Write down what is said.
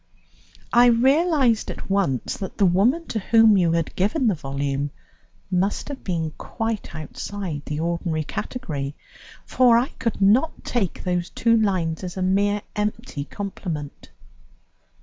"I realized at once that the woman to whom you had given the volume must have been quite outside the ordinary category, for I could not take those two lines as a mere empty compliment."